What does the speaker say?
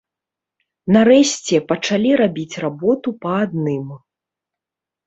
Нарэшце пачалі рабіць работу па адным.